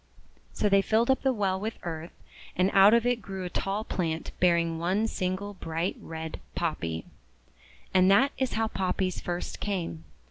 So they filled up the well with earth, and out of it grew a tall plant bearing one single bright red Poppy. And that is how Poppies first came.